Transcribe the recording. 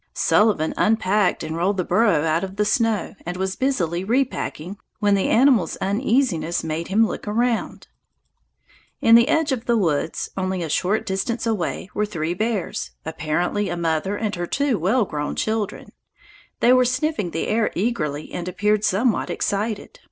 Sullivan unpacked and rolled the burro out of the snow, and was busily repacking, when the animal's uneasiness made him look round. [Illustration: OURAY, COLORADO A typical mining town] In the edge of the woods, only a short distance away, were three bears, apparently a mother and her two well grown children. They were sniffing the air eagerly and appeared somewhat excited.